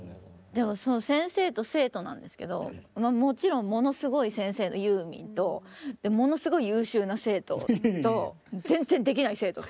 でも先生と生徒なんですけどもちろんものすごい先生のユーミンとものすごい優秀な生徒と全然できない生徒。